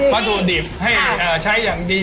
วัตถุดิบให้ใช้อย่างดี